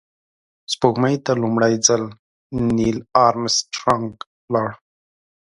سپوږمۍ ته لومړی ځل نیل آرمسټرانګ لاړ